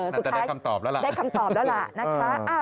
ครับน่าจะได้คำตอบแล้วล่ะนะคะสุดท้ายได้คำตอบแล้วล่ะ